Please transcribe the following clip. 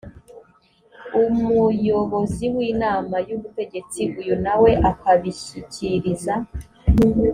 umuybozi w‘inama y’ubutegetsi uyu nawe akabishyikiriza